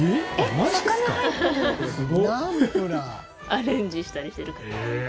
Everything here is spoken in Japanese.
アレンジしたりしてるから。